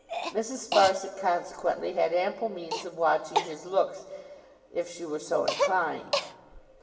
Mrs. Sparsit consequently had ample means of watching his looks, if she were so inclined.